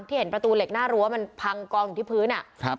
เห็นประตูเหล็กหน้ารั้วมันพังกองอยู่ที่พื้นอ่ะครับ